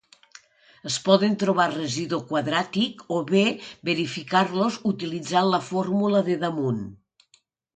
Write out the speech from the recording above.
Es poden trobar residu quadràtic o bé verificar-los utilitzant la fórmula de damunt.